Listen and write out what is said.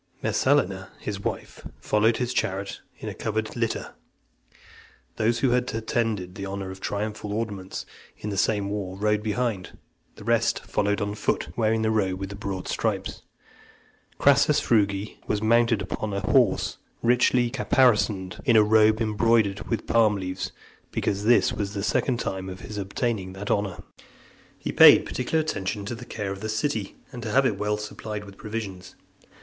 Messalina, his wife, followed his chariot in a covered litter . Those who had attained the honour of triumphal ornaments in the same war, rode behind; the rest followed on foot, wearing the robe with the broad stripes. Crassus Frugi was mounted upon a horse richly caparisoned, in a robe embroidered with palm leaves, because this was the second time of his obtaining that honour. XVIII. He paid particular attention to the care of the city, and to have it well supplied with provisions.